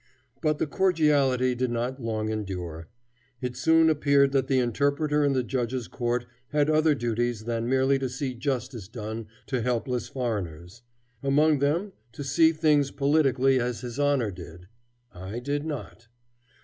But the cordiality did not long endure. It soon appeared that the interpreter in the judge's court had other duties than merely to see justice done to helpless foreigners; among them to see things politically as His Honor did. I did not.